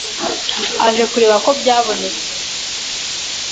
aje kureba ko byabonetse